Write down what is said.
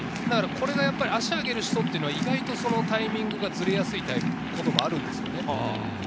足を上げる人というのは、意外とタイミングがずれやすいことがあるんです。